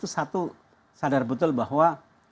satu sadar betul bahwa